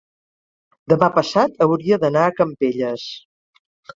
demà passat hauria d'anar a Campelles.